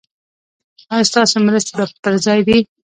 ایا ستاسو مرستې پر ځای دي؟